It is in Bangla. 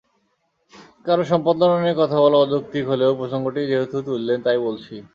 কারও সম্পাদনা নিয়ে কথা বলা অযৌক্তিক হলেও প্রসঙ্গটি যেহেতু তুললেন তাই বলছি।